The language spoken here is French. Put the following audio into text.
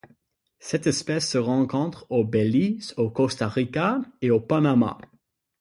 Cette espèce se rencontre au Belize, au Costa Rica et au Panama.